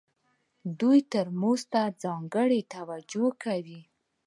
دوی ټوریزم ته ځانګړې توجه کوي.